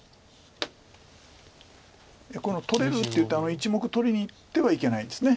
取れるっていったあの１目取りにいってはいけないんです。